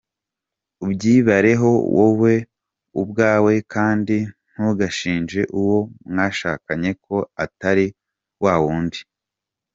Ubyibareho wowe ubwawe kandi ntugashinje uwo mwashakanye ko atari wa wundi wibwiraga.